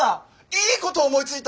いいこと思いついた。